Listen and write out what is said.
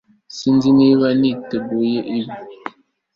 Sinzi niba niteguye ibi